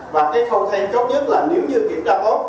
và cái câu thêm tốt nhất là nếu như kiểm tra tốt